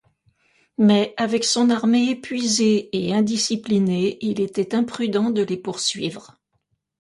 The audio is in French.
Mais, avec son armée épuisée et indisciplinée, il était imprudent de les poursuivre.